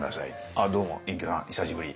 「ああどうも隠居さん久しぶり」。